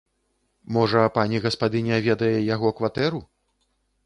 Можа, пані гаспадыня ведае яго кватэру?